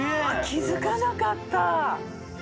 気づかなかった。